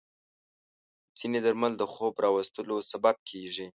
ځینې درمل د خوب راوستلو سبب کېږي.